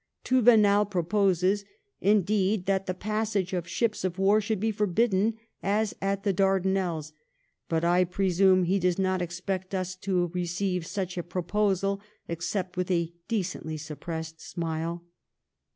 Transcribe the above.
Thouvenel proposes, indeed, that the passage of ships of war should be forbidden as at the Darda nelles ; but I presume he does not expect us to receiye such a pro posal except with a decently suppressed smile.